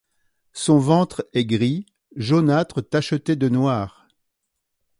Son ventre est gris jaunâtre tacheté de noir.